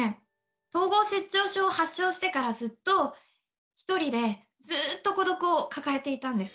統合失調症を発症してからずっと一人でずっと孤独を抱えていたんです。